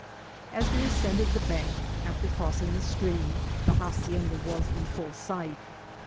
As we ascended the bank after crossing the stream, the hacienda was in full sight.